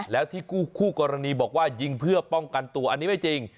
แล้วที่คู่กรณีบอกว่ายิงเพื่อป้องกันตัวอันนี้ไม่จริง